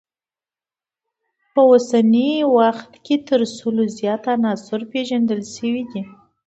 په اوسني وخت کې تر سلو ډیر عناصر پیژندل شوي دي.